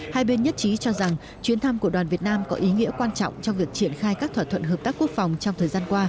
hai bên nhất trí cho rằng chuyến thăm của đoàn việt nam có ý nghĩa quan trọng trong việc triển khai các thỏa thuận hợp tác quốc phòng trong thời gian qua